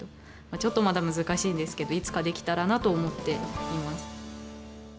ちょっとまだ難しいんですけどいつかできたらなと思っています。